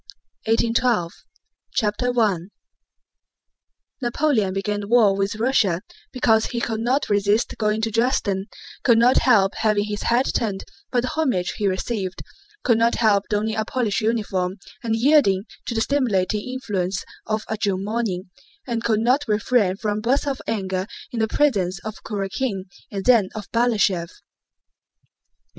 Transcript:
BOOK TEN: 1812 CHAPTER I Napoleon began the war with Russia because he could not resist going to Dresden, could not help having his head turned by the homage he received, could not help donning a Polish uniform and yielding to the stimulating influence of a June morning, and could not refrain from bursts of anger in the presence of Kurákin and then of Balashëv.